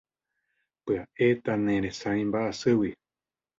Pya'e tanderesarái mba'e vaígui.